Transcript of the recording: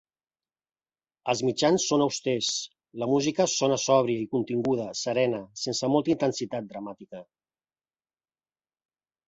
Els mitjans són austers, la música sona sòbria i continguda, serena, sense molta intensitat dramàtica.